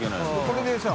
これでさ。